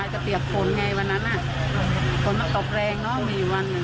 กินทีเดียวครึ่งแบนหมดเลยแกจะเครียดมั้ง